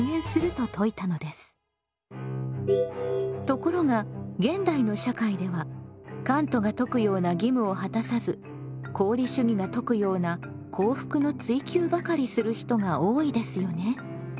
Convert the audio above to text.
ところが現代の社会ではカントが説くような義務を果たさず功利主義が説くような幸福の追求ばかりする人が多いですよね。